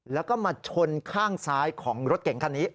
แล้วก็มาชนข้างซ้ายของรถเก่งคันนี้